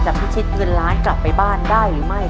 พิชิตเงินล้านกลับไปบ้านได้หรือไม่